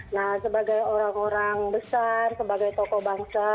nah sebagai orang orang besar sebagai tokoh bangsa